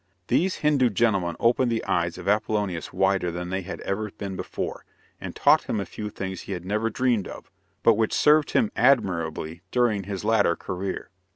These Hindoo gentlemen opened the eyes of Apollonius wider than they had ever been before, and taught him a few things he had never dreamed of, but which served him admirably during his latter career.